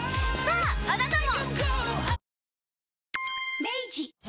ああなたも。